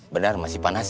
benar masih panas